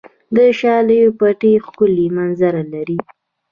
د شالیو پټي ښکلې منظره لري.